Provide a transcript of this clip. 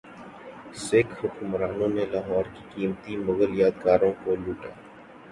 سکھ حکمرانوں نے لاہور کی قیمتی مغل یادگاروں کو لوٹا